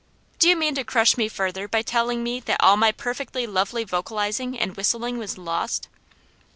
Do you mean to crush me further by telling me that all my perfectly lovely vocalizing and whistling was lost?"